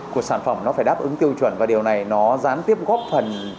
của sản phẩm nó phải đáp ứng tiêu chuẩn và điều này nó gián tiếp góp phần